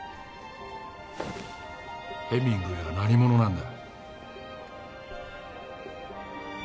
ヘミングウェイは何者なんだ？